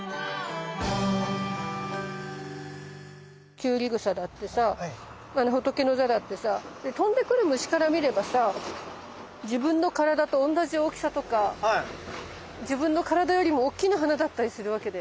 キュウリグサだってさホトケノザだってさ飛んでくる虫から見ればさ自分の体と同じ大きさとか自分の体よりもおっきな花だったりするわけだよね。